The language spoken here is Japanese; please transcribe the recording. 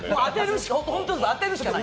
当てるしかない。